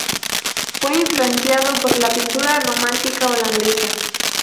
Fue influenciado por la pintura romántica holandesa.